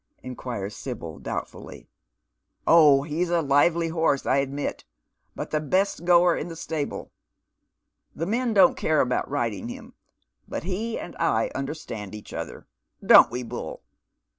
inquires Sibyl, doubtfully. "Oh, he's a lively horse, I admit, but the best goer in thf stable. The men don't care about riding him, but he and I understand each other, — don't we, Bull?